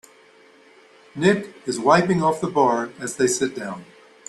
Nick is wiping off the bar as they sit down.